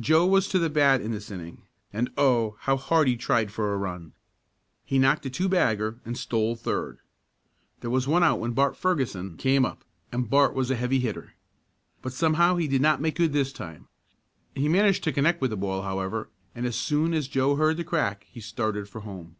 Joe was to the bat in this inning, and oh! how hard he tried for a run! He knocked a two bagger and stole third. There was one out when Bart Ferguson came up, and Bart was a heavy hitter. But somehow he did not make good this time. He managed to connect with the ball, however, and as soon as Joe heard the crack he started for home.